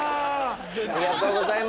ありがとうございます。